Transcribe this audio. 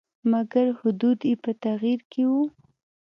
مګر حدود یې په تغییر کې وو.